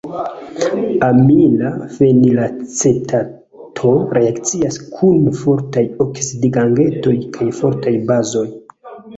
Amila fenilacetato reakcias kun fortaj oksidigagentoj kaj fortaj bazoj.